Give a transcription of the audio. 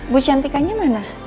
bu cantikannya mana